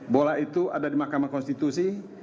bola itu ada di mahkamah konstitusi